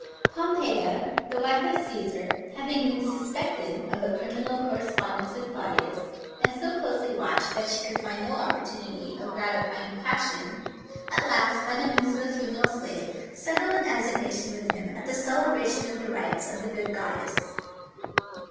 Pompeia, the wife of Cæsar, having been suspected of a criminal correspondence with Claudius, and so closely watched that she could find no opportunity of gratifying her passion, at last, by the means of a female slave, settled an assignation with him at the celebration of the rites of the good goddess.